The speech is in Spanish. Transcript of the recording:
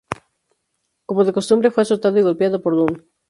Como de costumbre, fue azotado y golpeado por Dunne.